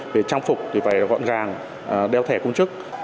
về trang phục thì phải gọn gàng đeo thẻ công chức